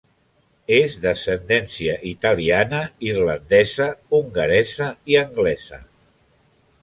És d'ascendència italiana, irlandesa, hongaresa i anglesa.